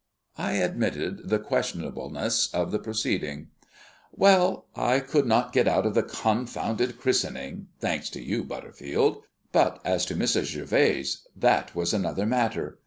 I admitted the questionableness of the proceeding. "Well, I could not get out of the confounded christening thanks to you, Butterfield, but as to Mrs. Gervase, that was another matter.